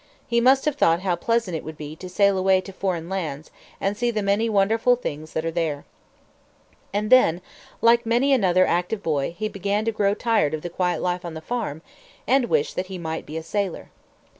He must have thought how pleasant it would be to sail away to foreign lands and see the many wonderful things that are there. And then, like many another active boy, he began to grow tired of the quiet life on the farm, and wish that he might be a sailor.